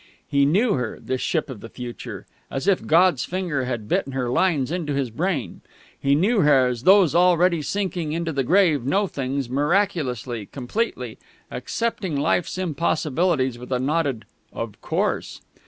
He knew her, this ship of the future, as if God's Finger had bitten her lines into his brain. He knew her as those already sinking into the grave know things, miraculously, completely, accepting Life's impossibilities with a nodded "Of course."